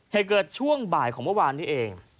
เหตุเกิดช่วงบ่ายของเมื่อวานนี้เอง